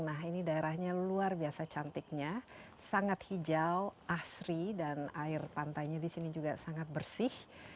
nah ini daerahnya luar biasa cantiknya sangat hijau asri dan air pantainya di sini juga sangat bersih